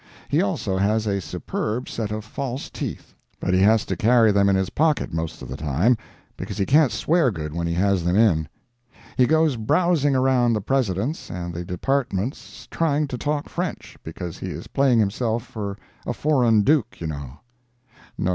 He also has a superb set of false teeth, but he has to carry them in his pocket most of the time, because he can't swear good when he has them in. He goes browsing around the President's and the departments trying to talk French—because he is playing himself for a foreign Duke, you know. N.B.